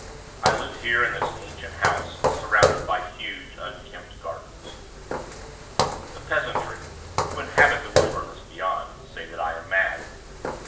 I live here in this ancient house, surrounded by huge, unkempt gardens. The peasantry, who inhabit the wilderness beyond, say that I am mad.